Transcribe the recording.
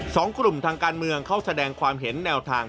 สองกลุ่มทางการเมืองเข้าแสดงความเห็นแนวทาง